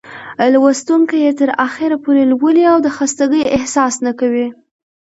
لوستونکى يې تر اخره پورې لولي او د خستګۍ احساس نه کوي.